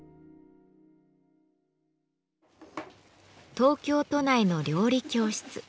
東京都内の料理教室。